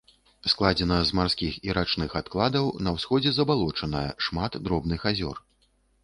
Складзена з марскіх і рачных адкладаў, на ўсходзе забалочаная, шмат дробных азёр.